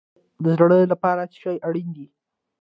د زړه لپاره څه شی اړین دی؟